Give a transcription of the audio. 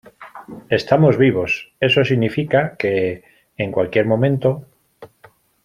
estamos vivos. eso significa que, en cualquier momento